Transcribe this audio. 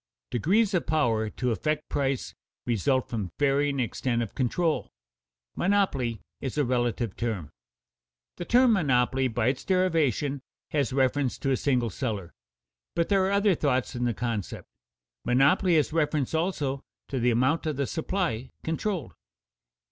Degrees of power to affect price result from varying extent of control; monopoly is a relative term. The term monopoly by its derivation has reference to a single seller; but there are other thoughts in the concept. Monopoly has reference also to the amount of the supply controlled.